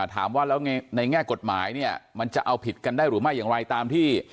ถามว่าแล้วในแง่กฎหมายเนี่ยมันจะเอาผิดกันได้หรือไม่อย่างไรตามที่